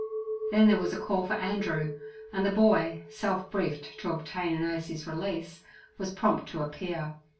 Then there was a call for Andrew, and the boy, self briefed to obtain Ursie's release, was prompt to appear.